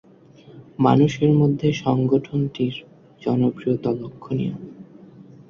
মানুষের মধ্যে সংগঠনটির জনপ্রিয়তা লক্ষনীয়।